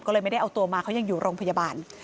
ก็เลยไม่ได้เอาตัวมาเขายังอยู่โรงพยาบาล